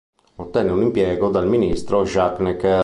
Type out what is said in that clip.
Ottenne un impiego dal ministro Jacques Necker.